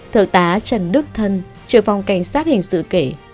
thượng tá trần đức thân trưởng phòng cảnh sát hình sự kể